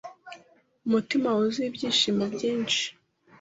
Umutima wuzuye ibyishimo byinshi